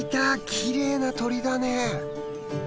きれいな鳥だね。